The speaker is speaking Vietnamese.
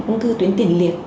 ung thư tuyến tiền liệt